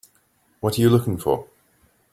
What are you looking for?